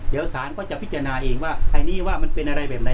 เดี๋ยวสารก็จะพิจารณาเองว่าไอ้นี่ว่ามันเป็นอะไรแบบไหน